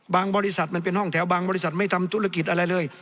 บริษัทมันเป็นห้องแถวบางบริษัทไม่ทำธุรกิจอะไรเลย